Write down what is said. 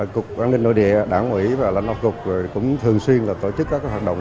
cục an ninh nội địa đảng ủy và lãnh đạo cục cũng thường xuyên tổ chức các hoạt động